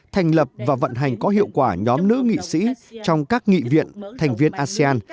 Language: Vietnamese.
thành lập và vận hành có hiệu quả nhóm nữ nghị sĩ trong các nghị viện thành viên asean